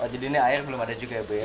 jadi ini air belum ada juga ya bu